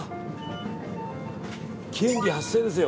権利発生ですよ。